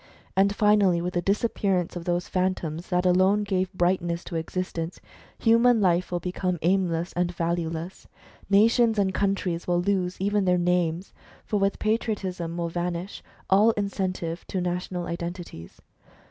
And finally, with the disappearance of those Phantoms that alone gave brightness to existence, human life will become aimless and valueless. Nations and countries will lose even their names, for with Patriotism will vanish all incentive to national identities.